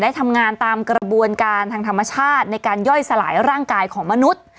ทำงานตามกระบวนการทางธรรมชาติในการย่อยสลายร่างกายของมนุษย์